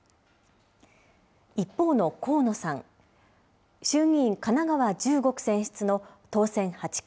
一方の河野さん、衆議院神奈川１５区選出の当選８回。